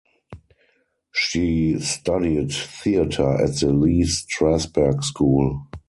She studied theater at the Lee Strasberg school.